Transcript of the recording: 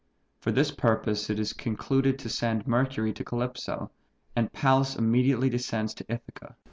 For this purpose it is concluded to send Mercury to Calypso, and Pallas immediately descends to Ithaca.